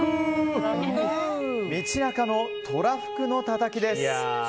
道中のとらふくのたたきです。